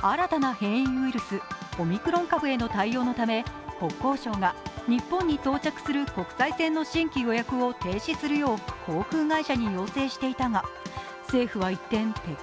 新たな変異ウイルス、オミクロン株への対応のため国交省が日本に到着する国際線の新規予約を停止するよう航空会社に要請していたが政府は一転、撤回。